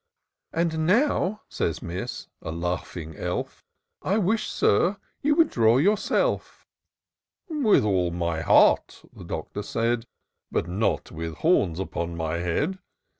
And now," says Miss, (a laughing elf) " I wish. Sir, you would draw yourself." " With all my heart," the Doctor said, " But not with horns upon my head."